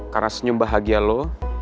karena senyum bahagia lo